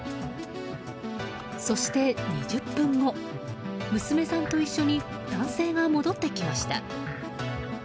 そして２０分後、娘さんと一緒に男性が戻ってきました。